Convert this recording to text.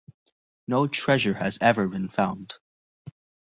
No treasure has ever been found.